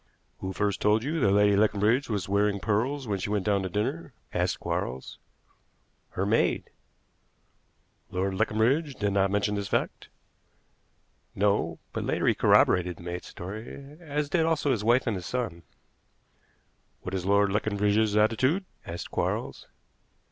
"Who first told you that Lady Leconbridge was wearing pearls when she went down to dinner?" asked Quarles. "Her maid." "Lord Leconbridge did not mention this fact?" "No; but later he corroborated the maid's story; as did also his wife and his son." "What is Lord Leconbridge's attitude?" asked Quarles.